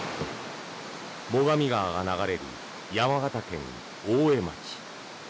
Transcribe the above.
最上川が流れる山形県大江町。